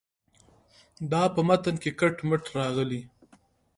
دا په متن کې کټ مټ راغلې.